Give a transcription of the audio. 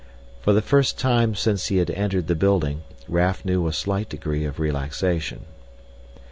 For the first time since he had entered this building, Raf knew a slight degree of relaxation.